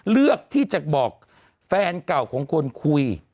เลือกที่จะบอกแฟนเก่าของคนคุย